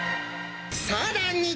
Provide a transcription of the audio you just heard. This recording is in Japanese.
さらに。